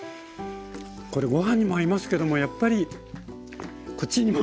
これごはんにも合いますけどもやっぱりこっちにも。